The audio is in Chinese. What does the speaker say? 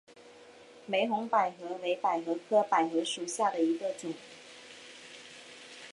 玫红百合为百合科百合属下的一个种。